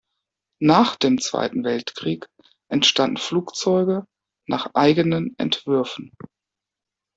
Nach dem Zweiten Weltkrieg entstanden Flugzeuge nach eigenen Entwürfen.